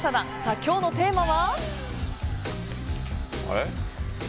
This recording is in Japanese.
今日のテーマは。